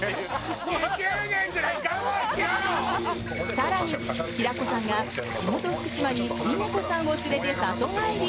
更に、平子さんが地元・福島に峰子さんを連れて里帰り。